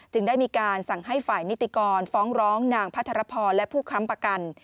ได้มีการสั่งให้ฝ่ายนิติกรฟ้องร้องนางพัทรพรและผู้ค้ำประกัน